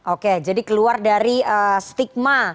oke jadi keluar dari stigma